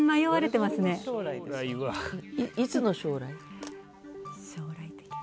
いつの将来？